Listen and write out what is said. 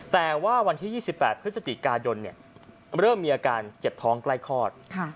แต่ว่าวันที่๒๘พฤศจิกายนเริ่มมีอาการเจ็บท้องใกล้คลอด